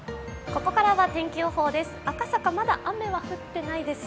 ここからは天気予報です。